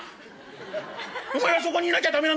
お前はそこにいなきゃ駄目なんだよ。